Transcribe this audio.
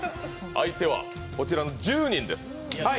相手はこちらの１０人です。